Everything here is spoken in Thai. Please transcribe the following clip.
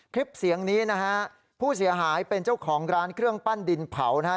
คลิปเสียงนี้นะฮะผู้เสียหายเป็นเจ้าของร้านเครื่องปั้นดินเผานะฮะ